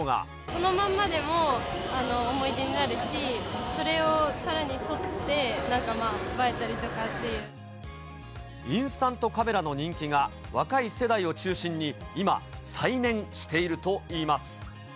このまんまでも思い出になるし、それをさらに撮って、インスタントカメラの人気が、若い世代を中心に今、再燃しているといいます。